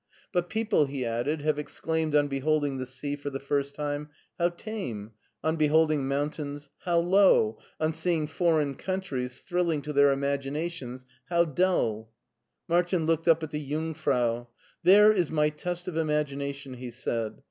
" But people," he added, "have exclaimed on beholding the sea for the first time, ^ How tame I ' on beholding mountains, ' How low !' on seeing foreign countries, thrilling to their imaginations, ' Hew duH!'" Martin looked up at the Jungf rau. " There is my test of imagination," he said.